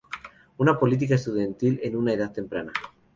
Una política estudiantil en una edad temprana.